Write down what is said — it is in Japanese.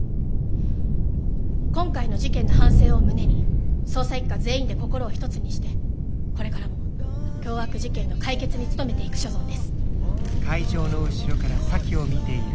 今回の事件の反省を胸に捜査一課全員で心を一つにしてこれからも凶悪事件の解決に努めてゆく所存です。